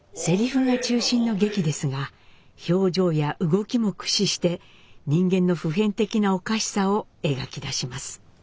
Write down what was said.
セリフが中心の劇ですが表情や動きも駆使して人間の普遍的なおかしさを描き出します。